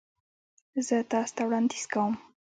زه تاسو ته وړاندیز کوم